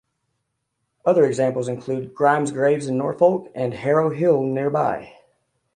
Other examples include Grimes Graves in Norfolk, and Harrow Hill nearby.